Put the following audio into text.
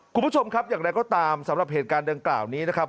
คุณผู้ชมครับอย่างไรก็ตามสำหรับเหตุการณ์ดังกล่าวนี้นะครับ